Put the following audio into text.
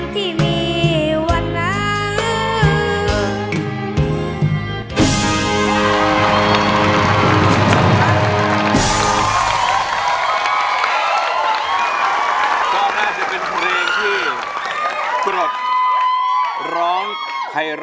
ก็เพียงทุ่รอ